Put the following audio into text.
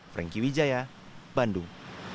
franky widjaya bandung